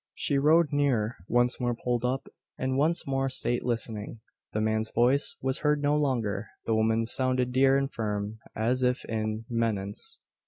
She rode nearer; once more pulled up; and once more sate listening. The man's voice was heard no longer. The woman's sounded dear and firm, as if in menace!